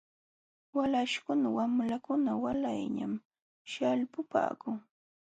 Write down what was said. Walaśhkuna wamlakuna waalayllam śhalkupaakun .